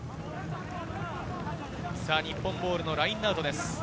日本ボールのラインアウトです。